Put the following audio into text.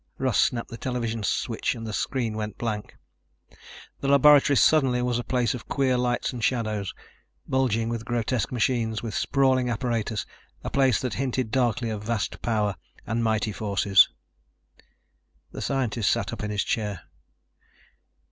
Russ snapped the television switch and the screen went blank. The laboratory suddenly was a place of queer lights and shadows, bulging with grotesque machines, with sprawling apparatus, a place that hinted darkly of vast power and mighty forces. The scientist sat up in his chair.